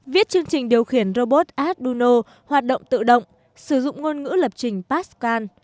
viết chương trình điều khiển robot azuno hoạt động tự động sử dụng ngôn ngữ lập trình pascal